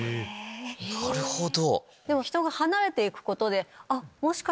なるほど。